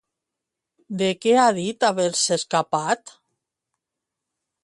De què ha dit haver-se escapat?